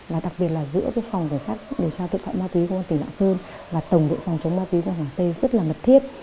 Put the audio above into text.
là đặc biệt là giữa phòng đề sát điều tra tội phạm ma túy của công an tỉnh lạng sơn và tổng đội phòng chống ma túy của quảng tây rất là mật thiết